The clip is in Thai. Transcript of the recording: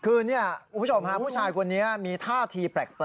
คือนี่คุณผู้ชมฮะผู้ชายคนนี้มีท่าทีแปลก